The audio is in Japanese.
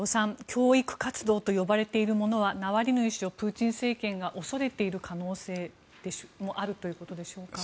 教育活動と呼ばれているものはナワリヌイ氏をプーチン政権が恐れている可能性もあるということでしょうか。